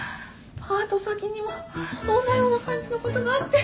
パート先にもそんなような感じのことがあって。